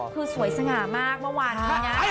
คือสวยสง่ามากเมื่อวานนี้นะ